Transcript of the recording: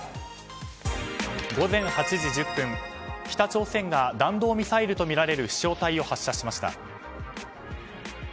午前８時１０分、北朝鮮が弾道ミサイルとみられる飛翔体を発射しました。